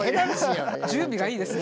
準備がいいですね。